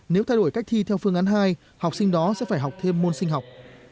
nếu thay đổi cách thi theo phương án hai học sinh đó sẽ phải học thêm môn sinh học